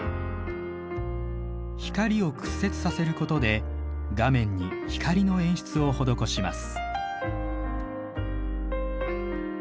光を屈折させることで画面に光の演出を施します。